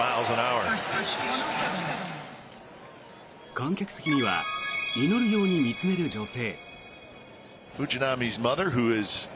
観客席には祈るように見つめる女性。